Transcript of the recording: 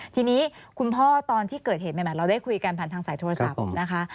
ทีนี้คุณพ่อตอนที่เกิดเหตุใหม่เราได้คุยกันผ่านทางสายโทรศัพท์นะคะ